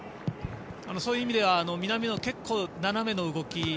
そういう意味では、南野結構、斜めの動き。